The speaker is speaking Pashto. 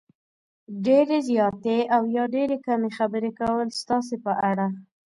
ډېرې زیاتې او یا ډېرې کمې خبرې کول ستاسې په اړه